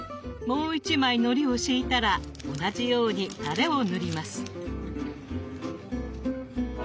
もう１枚のりを敷いたら同じようにタレを塗ります。